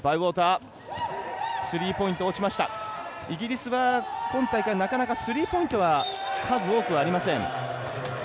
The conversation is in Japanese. イギリスは、今大会なかなかスリーポイントは数多くありません。